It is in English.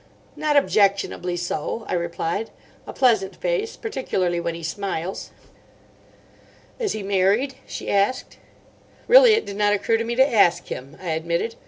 "Not objectionably so," I replied. "A pleasant face—particularly when he smiles." "Is he married?" she asked. "Really, it did not occur to me to ask him," I admitted.